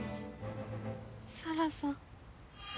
沙羅さん。